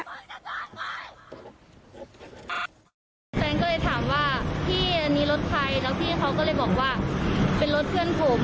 แฟนก็เลยถามว่าพี่อันนี้รถใครแล้วพี่เขาก็เลยบอกว่าเป็นรถเพื่อนผม